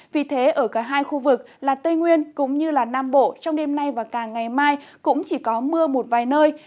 vì thế ở cả hai khu vực là tây nguyên cũng như nam bộ trong đêm nay và cả ngày mai cũng chỉ có mưa một vài nơi